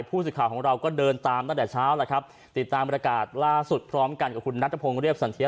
ผู้สื่อข่าวของเราก็เดินตามตั้งแต่เช้าแล้วครับติดตามบริการล่าสุดพร้อมกันกับคุณนัทพงศ์เรียบสันเทีย